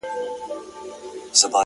درد زغمي ـ